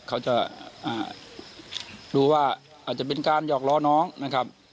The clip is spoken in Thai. เขาจะดูว่าอาจจะเป็นการหยอกล้อน้องนะครับ